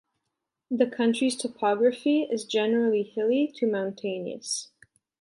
The county's topography is generally hilly to mountainous.